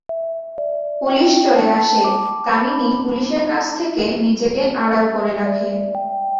Police চলে আসে, কামিনী পুলিশের কাছ থেকে নিজেকে আড়াল করে রাখে।